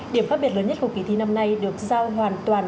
điểm khác biệt lớn nhất của kỳ thi năm nay được sao hoàn toàn